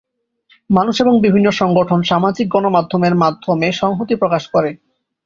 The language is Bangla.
মানুষ এবং বিভিন্ন সংগঠন সামাজিক গণমাধ্যমের মাধ্যমে সংহতি প্রকাশ করে।